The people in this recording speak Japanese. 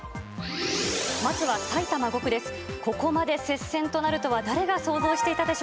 まずは埼玉５区です。